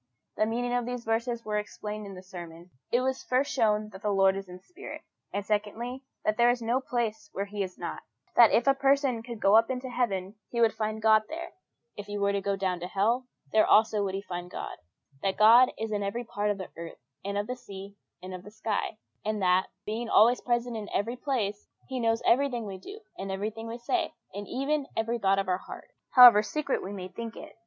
The meaning of these verses was explained in the sermon. It was first shown that the Lord is a spirit; and, secondly, that there is no place where He is not: that if a person could go up into heaven, he would find God there; if he were to go down to hell, there also would he find God: that God is in every part of the earth, and of the sea, and of the sky; and that, being always present in every place, He knows everything we do and everything we say, and even every thought of our hearts, however secret we may think it.